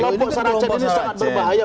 kelompok saracen ini sangat berbahaya